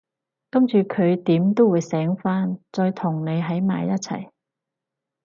今次佢點都會醒返，再同你喺埋一齊